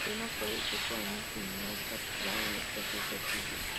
Carolina fue ese año gimnasta titular en los dos ejercicios.